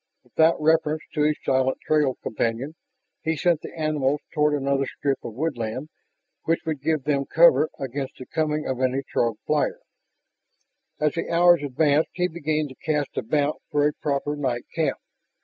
Without reference to his silent trail companion, he sent the animals toward another strip of woodland which would give them cover against the coming of any Throg flyer. As the hours advanced he began to cast about for a proper night camp.